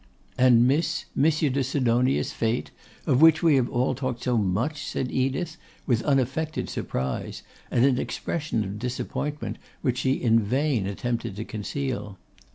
'And miss Monsieur de Sidonia's fête, of which we have all talked so much!' said Edith, with unaffected surprise, and an expression of disappointment which she in vain attempted to conceal.